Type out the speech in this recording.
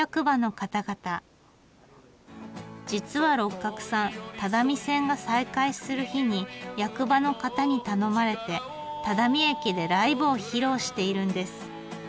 実は六角さん只見線が再開する日に役場の方に頼まれて只見駅でライブを披露しているんです。